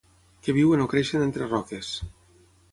Que viuen o creixen entre roques.